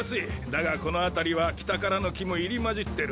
だがこの辺りは北からの木も入り交じってる。